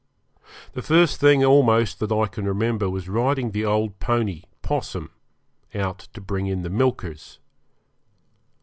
The first thing almost that I can remember was riding the old pony, 'Possum, out to bring in the milkers.